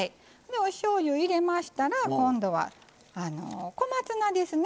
おしょうゆ入れましたら今度は小松菜ですね。